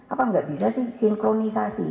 apa nggak bisa sih sinkronisasi